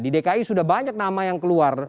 di dki sudah banyak nama yang keluar